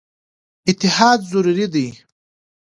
اتحاد ضروري دی.